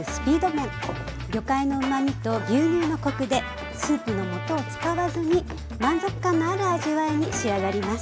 魚介のうまみと牛乳のコクでスープのもとを使わずに満足感のある味わいに仕上がります。